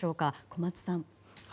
小松さん。